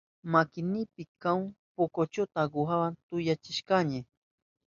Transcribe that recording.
Makinipi kahuk pukuchuta aguhawa tukyachishkani.